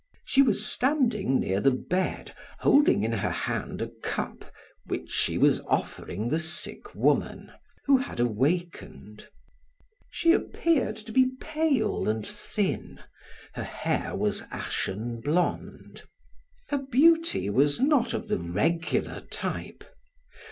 She was standing near the bed, holding in her hand a cup which she was offering the sick woman, who had awakened. She appeared to be pale and thin; her hair was ashen blond. Her beauty was not of the regular type.